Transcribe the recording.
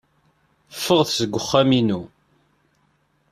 Ffɣet seg uxxam-inu.